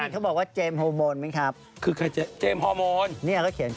ต่อ๒๐กว่าแล้ว